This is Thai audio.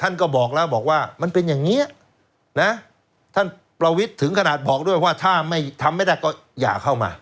ท่านก็บอกแล้วบอกว่ามันเป็นอย่างนี้นะท่านประวิทย์ถึงขนาดบอกด้วยว่าถ้าไม่ทำไม่ได้ก็อย่าเข้ามา